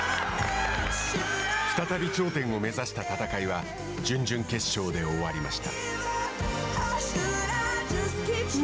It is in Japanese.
再び頂点を目指した戦いは準々決勝で終わりました。